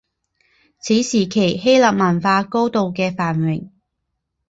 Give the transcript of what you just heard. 此时期希腊文化高度的繁荣